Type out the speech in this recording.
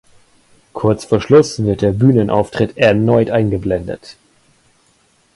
Kurz vor Schluss wird der Bühnenauftritt erneut eingeblendet.